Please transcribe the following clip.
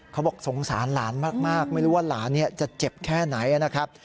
เขาบอกสงสารหลานมากไม่รู้ว่าหลานจะเจ็บแค่ไหนนะครับ